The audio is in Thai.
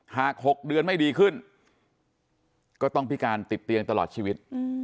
หาก๖เดือนไม่ดีขึ้นก็ต้องพิการติดเตียงตลอดชีวิต